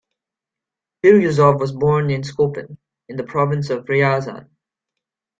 Biryuzov was born in Skopin, in the province of Ryazan.